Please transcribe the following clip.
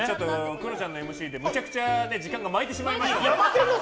クロちゃんのＭＣでめちゃくちゃ時間が巻いてしまいました。